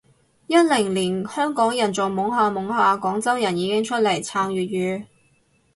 一零年香港人仲懵下懵下，廣州人已經出嚟撐粵語